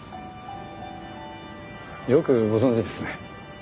よくご存じですね。